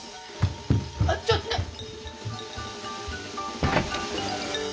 あっちょっと。